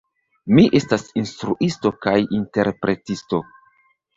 Mi estas instruisto kaj interpretisto.